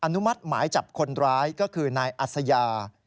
นุมัติหมายจับคนร้ายก็คือนายอัศยา